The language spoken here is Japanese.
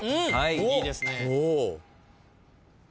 いいですね。